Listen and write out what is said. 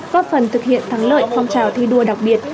góp phần thực hiện thắng lợi phong trào thi đua đặc biệt